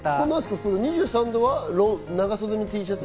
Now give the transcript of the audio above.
２３度は長袖のＴシャツ？